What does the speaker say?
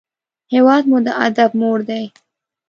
هېواد مو د ادب مور دی